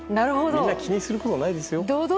みんな気にすることないですよ。